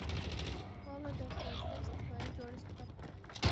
واوره د افغانستان د اجتماعي جوړښت برخه ده.